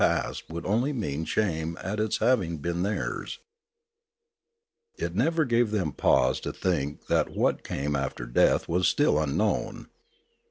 past would only mean shame at its having been theirs, It never gave them pause to think that what came after death was still .unknown.